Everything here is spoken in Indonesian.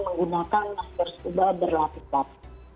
menggunakan masker scuba berlaku kapal